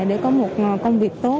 để có một công việc tốt